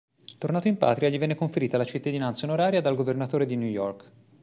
Tornato in patria, gli venne conferita la cittadinanza onoraria dal governatore di New York.